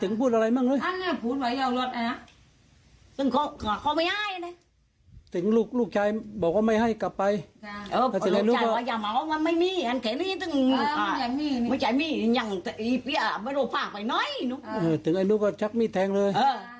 ถึงลูกก็ชักมีดแทงเลย